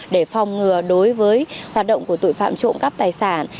để phòng ngừa đối với hoạt động của tội phạm trộm cắp tài sản